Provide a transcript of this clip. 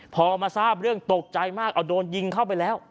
พอมาทราบเรื่องตกใจมากเอาโดนยิงเข้าไปแล้ว